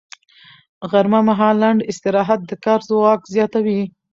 غرمه مهال لنډ استراحت د کار ځواک زیاتوي